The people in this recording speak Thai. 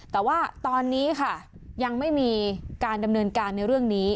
แต่ว่าตอนนี้ค่ะยังไม่มีการดำเนินการในเรื่องนี้